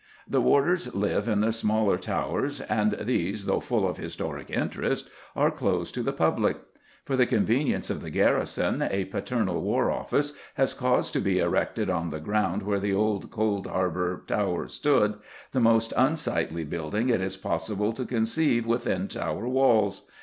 The warders live in the smaller towers, and these, though full of historic interest, are closed to the public. For the convenience of the garrison a paternal War Office has caused to be erected, on the ground where the old Coldharbour Tower stood, the most unsightly building it is possible to conceive within Tower walls.